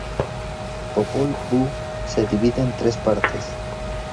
El Popol Vuh se divide en tres partes.